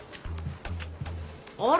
あれ？